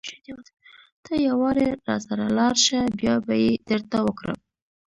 ته يوارې راسره لاړ شه بيا به يې درته وکړم.